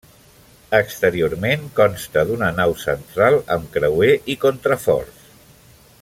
Exteriorment consta d'una nau central amb creuer i contraforts.